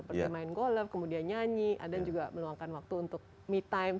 seperti main golf kemudian nyanyi dan juga meluangkan waktu untuk me time